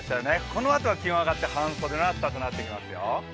このあとは気温が上がって半袖になってきますよ。